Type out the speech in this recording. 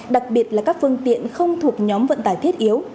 đặc biệt là các phương tiện không thuộc nhóm vận tải thiết yếu